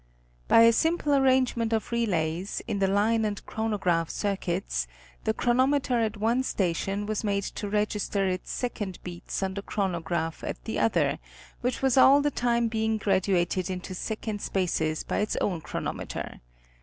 By a simple arrangement of relays, in the line and chronograph circuits the chronometer at one station was made to register its second beats on the chronograph at the other, which was all the time being graduated into second spaces by its own chronometer.